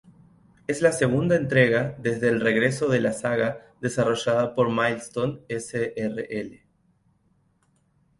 Es la segunda entrega desde el regreso de la saga desarrollada por Milestone S.r.l.